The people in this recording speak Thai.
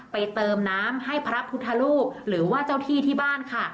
เติมน้ำให้พระพุทธรูปหรือว่าเจ้าที่ที่บ้านค่ะ